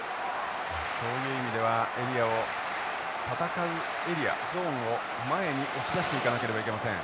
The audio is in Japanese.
そういう意味ではエリアを戦うエリアゾーンを前に押し出していかなければいけません。